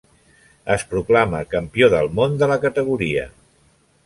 Es proclama campió del món de la categoria.